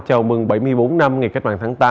chào mừng bảy mươi bốn năm ngày cách mạng tháng tám